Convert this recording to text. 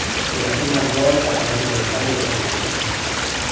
È la prima Gol ad avere un cambio automatico.